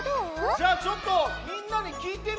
じゃあちょっとみんなにきいてみようかな。